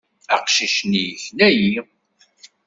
Aqcic-nni yekna-iyi.